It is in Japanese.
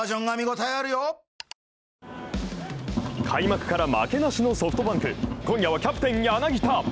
ＪＴ開幕から負けなしのソフトバンク、今夜はキャプテン・柳田。